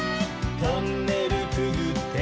「トンネルくぐって」